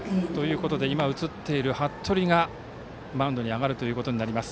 ここで服部がマウンドに上がることになります。